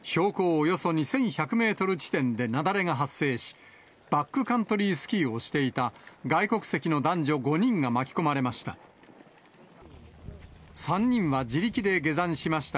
およそ２１００メートル地点で雪崩が発生し、バックカントリースキーをしていた外国籍の男女５人が巻き込まれました。